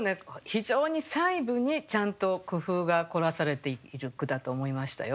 非常に細部にちゃんと工夫が凝らされている句だと思いましたよ。